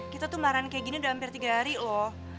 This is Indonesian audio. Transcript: kita tuh marahan kayak gini udah hampir tiga hari loh